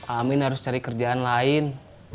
amin harus cari kerjaan lain